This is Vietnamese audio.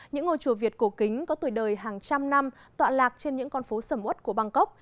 những ngôi chùa việt cổ kính có tuổi đời hàng trăm năm tọa lạc trên những con phố sầm út của bangkok